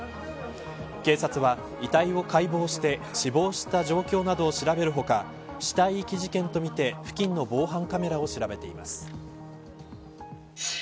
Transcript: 警察は遺体を解剖して死亡した状況などを調べる他死体遺棄事件とみて付近の防犯カメラを調べています。